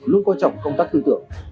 luôn quan trọng công tác tư tưởng